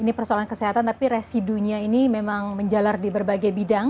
ini persoalan kesehatan tapi residunya ini memang menjalar di berbagai bidang